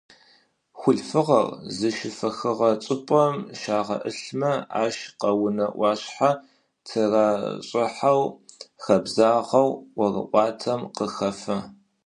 Хъулъфыгъэр зыщыфэхыгъэ чӏыпӏэм щагъэӏылъмэ, ащ къэунэ ӏуашъхьэ тырашӏыхьэу хэбзагъэу ӏорыӏуатэм къыхэфэ.